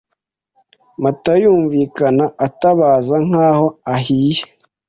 Matayo yumvikana atabaza nkaho ahiye